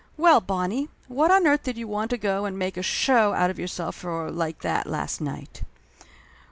Well, Bonnie, what on earth did you want to go and make a show out of yourself for like that, last night?"